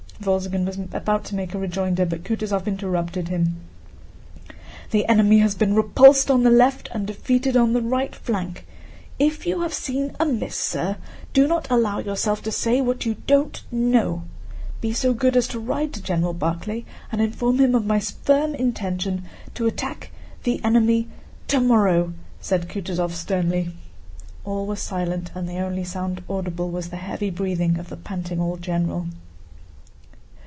Wolzogen was about to make a rejoinder, but Kutúzov interrupted him. "The enemy has been repulsed on the left and defeated on the right flank. If you have seen amiss, sir, do not allow yourself to say what you don't know! Be so good as to ride to General Barclay and inform him of my firm intention to attack the enemy tomorrow," said Kutúzov sternly. All were silent, and the only sound audible was the heavy breathing of the panting old general.